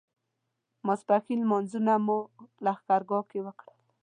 ماسپښین لمونځونه مو لښکرګاه کې وکړل.